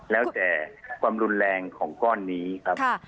แล้วแต่ความรุนแรงของก้อนนี้ครับ